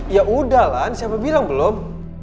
ya udah lah siapa bilang belum